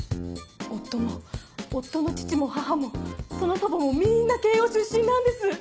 夫も夫の父も母もその祖母もみんな慶応出身なんです！